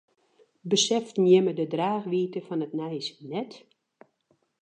Beseften jimme de draachwiidte fan it nijs net?